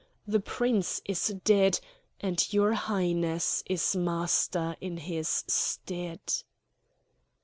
The Prince is dead; and your Highness is master in his stead."